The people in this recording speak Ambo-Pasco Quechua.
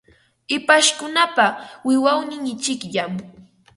Hipashkunapa wiqawnin ichikllam.